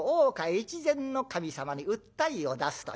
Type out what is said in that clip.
越前守様に訴えを出すという。